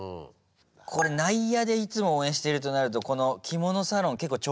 これ内野でいつも応援してるとなるとこの着物サロン結構調子いいんだろうね。